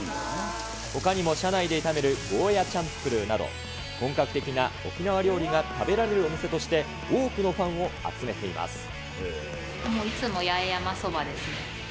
ほかにも車内で炒めるゴーヤチャンプルーなど、本格的な沖縄料理が食べられるお店として、多くのファンを集めていつも八重山そばですね。